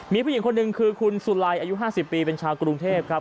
มีผู้หญิงคนหนึ่งคือคุณสุลัยอายุ๕๐ปีเป็นชาวกรุงเทพครับ